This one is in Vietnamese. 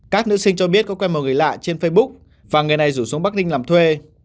các nữ sinh cho biết có quen một người lạ trên facebook và người này rủ xuống bắc ninh làm thuê